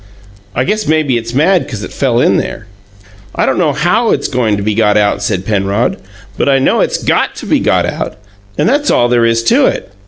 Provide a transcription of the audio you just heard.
I guess maybe it's mad 'cause it fell in there." "I don't know how it's goin' to be got out," said Penrod; "but I know it's GOT to be got out, and that's all there is to it!